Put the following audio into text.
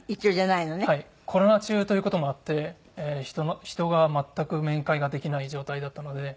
コロナ中という事もあって人が全く面会ができない状態だったので。